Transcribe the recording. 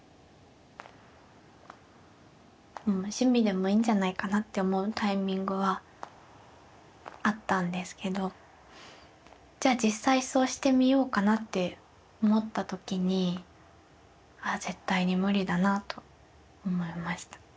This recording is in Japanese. もう趣味でもいいんじゃないかなって思うタイミングはあったんですけどじゃあ実際そうしてみようかなって思った時にああ絶対に無理だなと思いました。